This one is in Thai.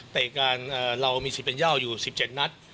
เตะการเรามี๑๐เป็นเยาะอยู่๑๗นัต